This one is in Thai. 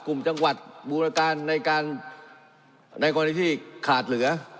กลุ่มจังหวัดบูรการในการในกรณีที่ขาดเหลือ